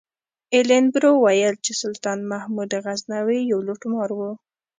ایلن برو ویل چې سلطان محمود غزنوي یو لوټمار و.